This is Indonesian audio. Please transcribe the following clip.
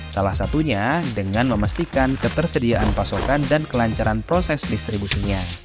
salah satunya dengan memastikan ketersediaan pasokan dan kelancaran proses distribusinya